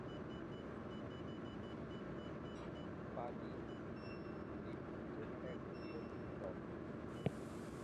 বালি দ্বীপ সেখানে একটি ব্যতিক্রম।